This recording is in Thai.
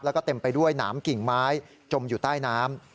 แล้วก็เต็มไปด้วยหนามกิ่งไม้จมอยู่ใต้น้ำ